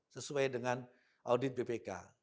sesuai dengan audit bpk